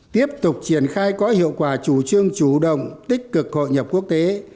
tiếp tục triển khai có hiệu quả chủ trương chủ động tích cực hội nhập quốc tế